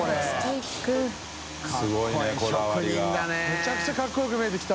めちゃくちゃかっこよく見えてきた。